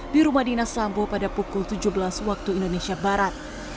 di rumah dinas sambo pada pukul tujuh belas waktu indonesia barat